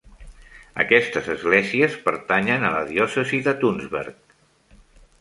Aquestes esglésies pertanyen a la diòcesi de Tunsberg.